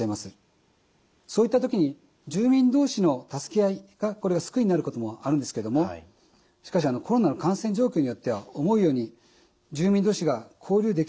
そういった時に住民同士の助け合いが救いになることもあるんですけどもしかしコロナの感染状況によっては思うように住民同士が交流できない場合があります。